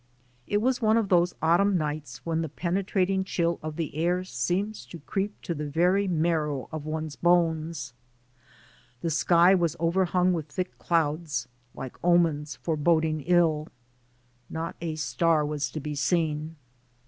It was one of those autumn nights when the pen etrating chill of the air seems to creep to the very marrow of one's bones. The sky was overhung with thick clouds like omens foreboding ill. Not a star was to be seen.